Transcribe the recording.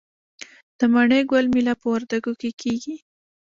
د مڼې ګل میله په وردګو کې کیږي.